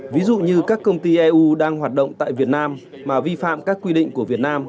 ví dụ như các công ty eu đang hoạt động tại việt nam mà vi phạm các quy định của việt nam